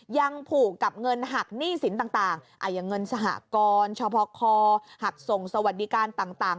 ยังผูกกับเงินหักหนี้สินต่างอย่างเงินสหกรชพคหักส่งสวัสดิการต่าง